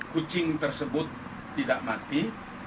kucing tersebut tidak mati